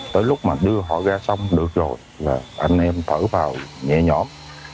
tới lúc mà đưa họ ra xong được rồi là anh em thở vào nhẹ nhõm